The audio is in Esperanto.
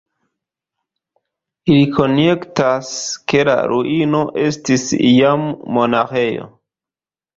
Ili konjektas, ke la ruino estis iam monaĥejo.